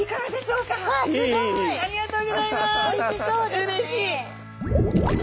うれしい！